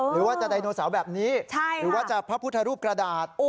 หรือว่าจะไดโนเสาร์แบบนี้หรือว่าจะพระพุทธรูปกระดาษ